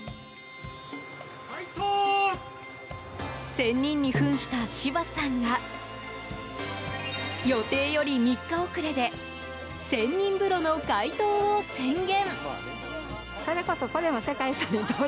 仙人に扮した芝さんが予定より３日遅れで仙人風呂の開湯を宣言。